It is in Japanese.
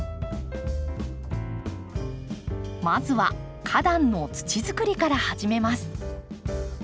まずは花壇の土づくりから始めます。